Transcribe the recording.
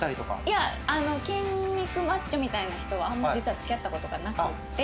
いや筋肉マッチョみたいな人はあんまり実は付き合った事がなくて。